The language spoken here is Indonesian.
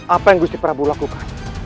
apa yang gusti prabu lakukan